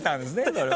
それは。